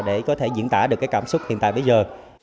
để có thể diễn tả được cái cảm xúc hiện tại bây giờ